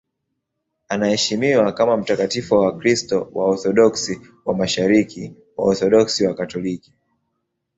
Anaheshimiwa kama mtakatifu na Wakristo Waorthodoksi wa Mashariki, Waorthodoksi na Wakatoliki.